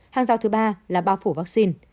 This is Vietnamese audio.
hàng giao thứ ba là bao phủ vaccine